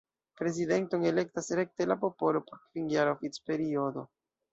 Prezidenton elektas rekte la popolo por kvinjara oficperiodo.